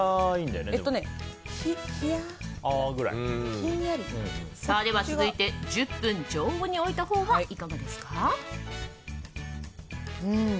では続いて１０分常温に置いたほうはいかがですか？